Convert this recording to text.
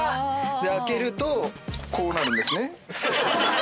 で開けるとこうなるんですね。